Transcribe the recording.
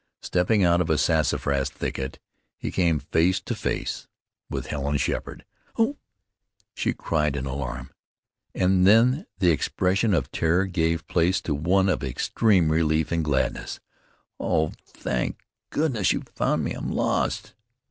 Stepping out of a sassafras thicket, he came face to face with Helen Sheppard. "Oh!" she cried in alarm, and then the expression of terror gave place to one of extreme relief and gladness. "Oh! Thank goodness! You've found me. I'm lost!"